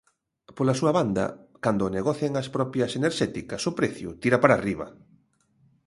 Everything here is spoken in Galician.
Pola súa banda, cando negocian as propias enerxéticas, o prezo tira para arriba.